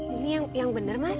ini yang bener mas